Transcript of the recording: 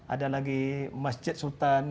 ada lagi masjid sultan